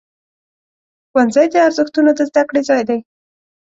ښوونځی د ارزښتونو د زده کړې ځای دی.